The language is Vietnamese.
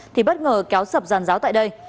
thì bất ngờ kéo sập giàn giáo tại đây